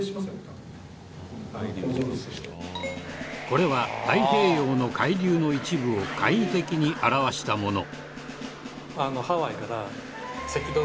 これは太平洋の海流の一部を簡易的に表したもの。